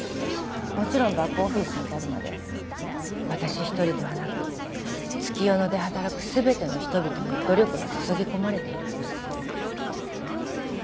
もちろんバックオフィスに至るまで私一人ではなく月夜野で働く全ての人々の努力が注ぎ込まれている。